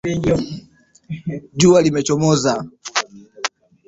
Jua limechomoza.